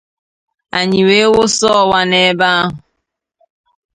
anyị wee wụsa ọwa n'ebe ahụ.